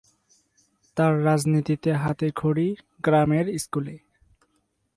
তার রাজনীতিতে হাতে খড়ি গ্রামের স্কুলে।